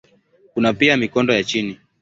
Kuna pia mikondo ya chini.